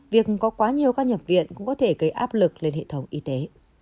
việc có quá nhiều các nhập viện cũng có thể gây áp lực lên hệ thống y tế